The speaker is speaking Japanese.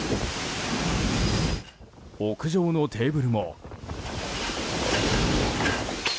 屋上のテーブルも。